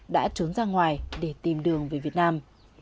đã trốn ra ngoài để tìm đường về việt nam